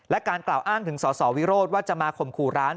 และการกล่าวอ้างถึงสสวิโรธว่าจะมาข่มขู่ร้าน